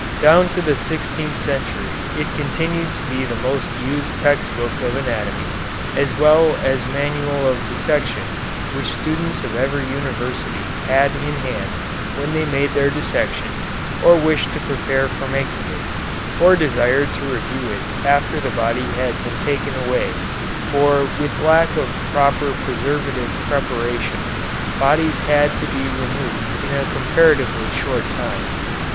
Down to the sixteenth century it continued to be the most used text book of anatomy, as well as manual of dissection, which students of every university had in hand when they made their dissection, or wished to prepare for making it, or desired to review it after the body had been taken away, for with lack of proper preservative preparation, bodies had to be removed in a comparatively short time.